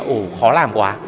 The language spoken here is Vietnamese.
ồ khó làm quá